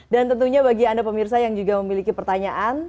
dan tentunya bagi anda pemirsa yang juga memiliki pertanyaan